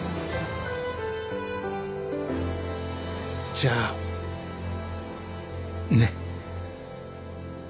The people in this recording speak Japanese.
じゃあね。